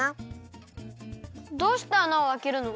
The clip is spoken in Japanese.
どうしてあなをあけるの？